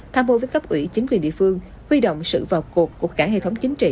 tham vô với cấp ủy chính quyền địa phương huy động sự vào cuộc của cả hệ thống chính trị